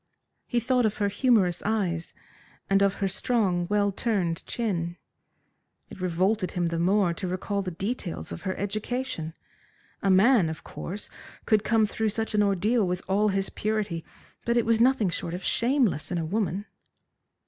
He thought of her humorous eyes, and of her strong, well turned chin. It revolted him the more to recall the details of her education. A man, of course, could come through such an ordeal with all his purity, but it was nothing short of shameless in a woman.